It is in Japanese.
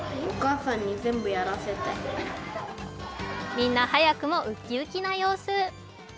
みんな早くもウッキウキな様子。